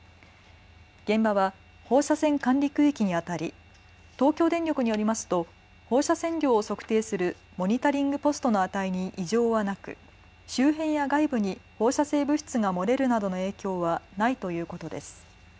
現場は放射線管理区域にあたり東京電力によりますと放射線量を測定するモニタリングポストの値に異常はなく、周辺や外部に放射性物質が漏れるなどの影響はないということです。